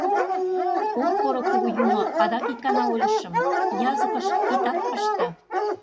О, поро кугу юмо, адак ик гана ойлышым — языкыш итак пыште.